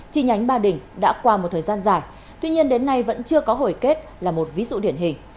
chi nhánh ba đình đã qua một thời gian dài tuy nhiên đến nay vẫn chưa có hồi kết là một ví dụ điển hình